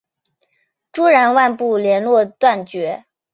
朱然外部连络断绝。